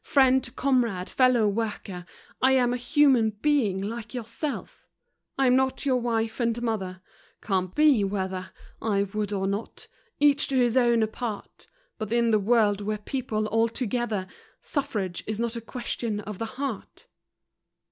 Friend! Comrade! Fellow worker; I am a human being like yourself. I'm not your wife and mother. Can't be, whether I would or not: each to his own apart; But in the world we're people altogether Suffrage is not a question of the heart.